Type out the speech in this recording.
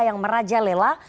yang meraja lela